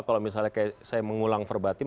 kalau misalnya saya mengulang verbatim